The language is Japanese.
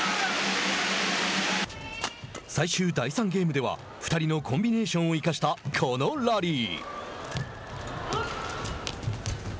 最終、第３ゲームでは２人のコンビネーションを生かしたこのラリー。